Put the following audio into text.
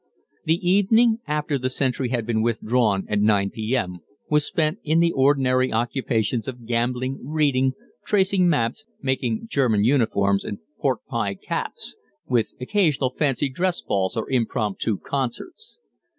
The evening, after the sentry had been withdrawn at 9 p.m., was spent in the ordinary occupations of gambling, reading, tracing maps, making German uniforms and pork pie caps, with occasional fancy dress balls or impromptu concerts.